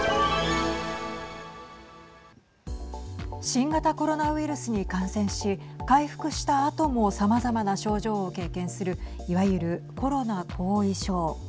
新型コロナウイルスに感染し回復したあともさまざまな症状を経験するいわゆるコロナ後遺症。